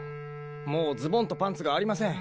もうズボンとパンツがありません。